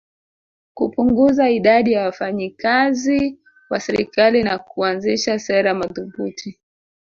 Kupunguza idadi ya wafanyi kazi wa serikali na kuanzisha sera madhubuti